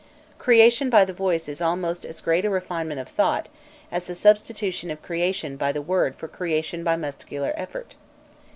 Creation by the voice is almost as great a refinement of thought as the substitution of creation by the word for creation by muscular effort.